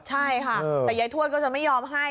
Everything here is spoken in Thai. ใช่ค่ะแต่ยายทวดก็จะไม่ยอมให้